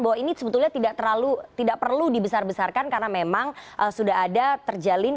bahwa ini sebetulnya tidak terlalu tidak perlu dibesar besarkan karena memang sudah ada terjalin